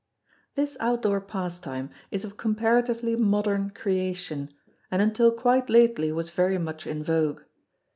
This out door pastime is of comparatively modern creation, and until quite lately was very much in vogue.